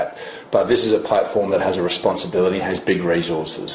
tapi ini adalah platform yang memiliki tanggung jawab dan sumber daya besar